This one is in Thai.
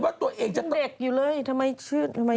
บิ๊บแด็กอยู่เลยทำไมชื่น